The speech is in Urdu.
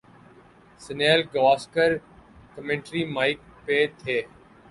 سنیل گواسکر کمنٹری مائیک پہ تھے۔